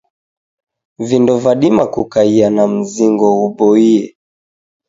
Vindo vadima kukaia na mzingo ghuboie.